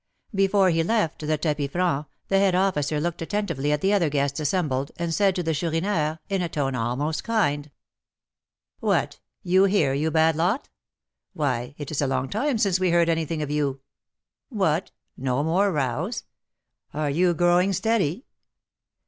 Before he left the tapis franc, the head officer looked attentively at the other guests assembled, and said to the Chourineur, in a tone almost kind: "What, you here, you bad lot? Why, it is a long time since we heard anything of you. What, no more rows? Are you growing steady?"